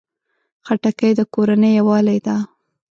خټکی د کورنۍ یووالي ده.